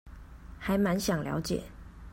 還滿想了解